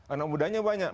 anak mudanya banyak